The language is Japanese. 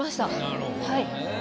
なるほどね。